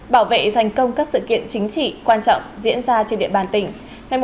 bảo vệ thành công các sự kiện chính trị quan trọng diễn ra trên địa bàn tỉnh